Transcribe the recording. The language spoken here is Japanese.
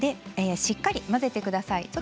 しっかりと混ぜてください。